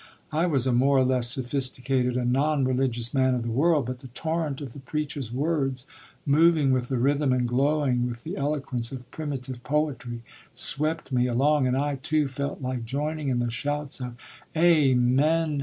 I was a more or less sophisticated and non religious man of the world, but the torrent of the preacher's words, moving with the rhythm and glowing with the eloquence of primitive poetry, swept me along, and I, too, felt like joining in the shouts of "Amen!